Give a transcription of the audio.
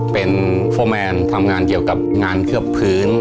เป็นโฟร์แมนทำงานเกี่ยวกับงานเคลือบพื้น